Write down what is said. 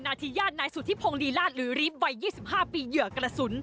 นาธิญาณนายสุธิพงษ์ลีราชหรือรีฟวัยยี่สิบห้าปีเหยื่อกระสุน